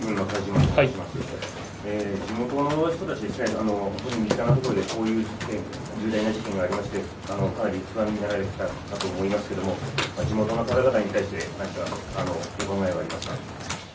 地元の人たち、特に身近な所でこういう事件、重大な事件がありまして、かなり不安になられたと思いますけれども、地元の方々に対して何かはありますか。